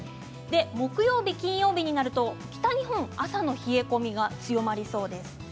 木曜日、金曜日になると北日本朝の冷え込みが強まりそうです。